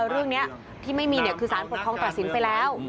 เรื่องนี้ที่ไม่มีคือสารปกครองตัดสินไปแล้ว